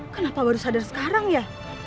kenapa baru sadar sekarang ya